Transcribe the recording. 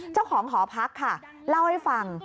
เจ้าของหอพักค่ะเล่าให้ฟัง